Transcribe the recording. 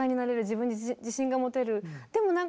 自分に自信が持てる。